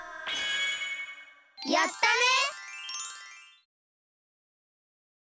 やったね！